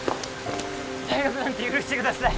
退学なんて許してください